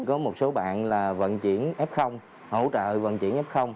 có một số bạn là vận chuyển f hỗ trợ vận chuyển f